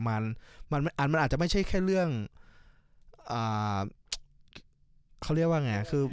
มันมันอาจจะไม่ใช่แค่เรื่องเขาเรียกว่าไงคือ